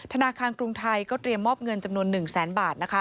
ธนาคารกรุงไทยก็เตรียมมอบเงินจำนวน๑แสนบาท